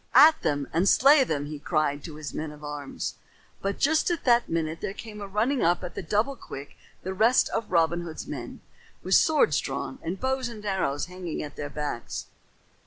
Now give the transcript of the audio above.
"At them and slay them," he cried to his men at arms. But just at that minute there came running up at double quick the rest of Robin Hood's men, with swords drawn and bows and arrows hanging at their backs.